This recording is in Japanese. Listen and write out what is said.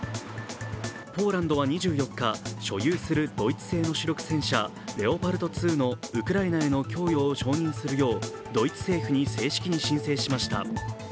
ポーランドは２４日、所有するドイツ製の主力戦車、レオパルト２のウクライナへの供与を承認するようドイツ政府に正式に申請しました。